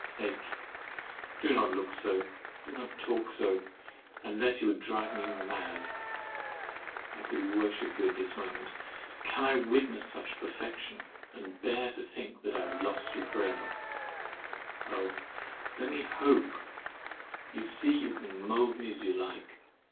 H. Do not look so—do not talk so—unless you would drive me mad. I could worship you at this moment. Can I witness such perfection, and bear to think I have lost you for ever? Oh! let me hope! You see you can mould me as you like.